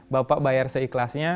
bapak bayar seikhlasnya